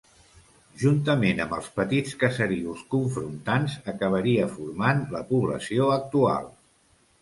Juntament amb els petits caserius confrontants, acabaria formant la població actual.